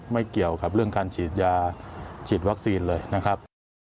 ไม่เกี่ยวกับเรื่องการฉีดยาฉีดวัคซีนเลยนะครับ